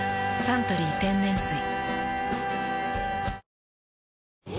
「サントリー天然水」